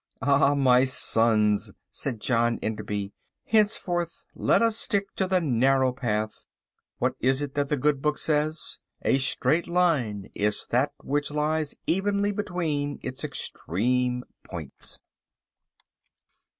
"Ah, my sons," said John Enderby, "henceforth let us stick to the narrow path. What is it that the Good Book says: 'A straight line is that which lies evenly between its extreme points.